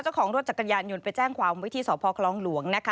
เจ้าของรถจักรยายยนต์ไปแจ้งวัดมค์วิธีสนภครองล้วงนะค่ะ